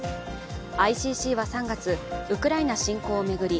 ＩＣＣは３月、ウクライナ侵攻を巡り